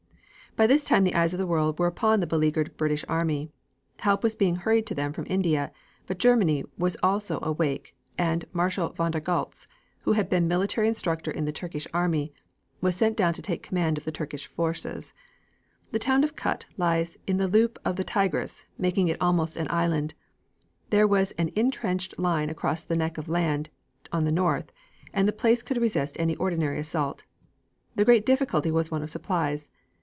By this time the eyes of the world were upon the beleaguered British army. Help was being hurried to them from India, but Germany also was awake and Marshal von Der Goltz, who had been military instructor in the Turkish army, was sent down to take command of the Turkish forces. The town of Kut lies in the loop of the Tigris, making it almost an island. There was an intrenched line across the neck of land on the north, and the place could resist any ordinary assault. The great difficulty was one of supplies.